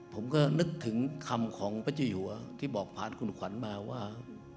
ผมก็นึกถึงคำของพระเจ้าอยู่ที่บอกผ่านคุณขวัญมาว่า